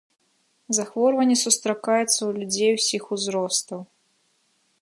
Захворванне сустракаецца ў людзей усіх узростаў.